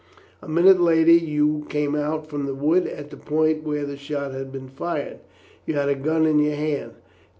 A minute later you came out from the wood at the point where the shot had been fired. You had a gun in your hand.